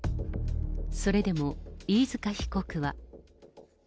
それでも飯塚被告は。